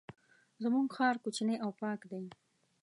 زمونږ ښار کوچنی او پاک دی.